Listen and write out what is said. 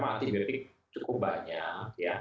memang antibiotik cukup banyak ya